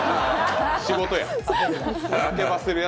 仕事や。